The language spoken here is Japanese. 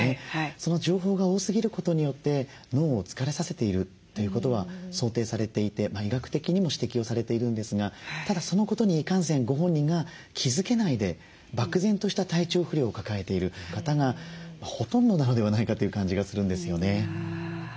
その情報が多すぎることによって脳を疲れさせているということは想定されていて医学的にも指摘をされているんですがただそのことにいかんせんご本人が気付けないで漠然とした体調不良を抱えている方がほとんどなのではないかという感じがするんですよね。